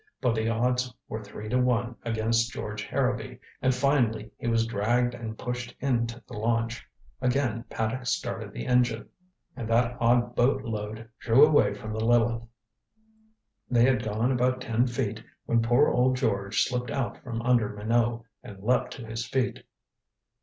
But the odds were three to one against George Harrowby, and finally he was dragged and pushed into the launch. Again Paddock started the engine, and that odd boat load drew away from the Lileth. They had gone about ten feet when poor old George slipped out from under Minot and leaped to his feet.